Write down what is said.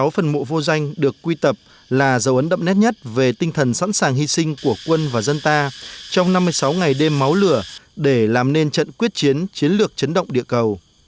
sáu phần mộ vô danh được quy tập là dấu ấn đậm nét nhất về tinh thần sẵn sàng hy sinh của quân và dân ta trong năm mươi sáu ngày đêm máu lửa để làm nên trận quyết chiến chiến lược chấn động địa cầu